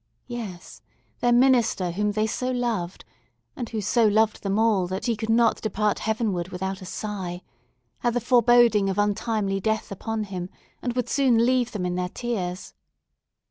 Yes; their minister whom they so loved—and who so loved them all, that he could not depart heavenward without a sigh—had the foreboding of untimely death upon him, and would soon leave them in their tears.